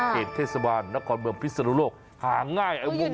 เหตุเทศบาลนครบริษัทนรก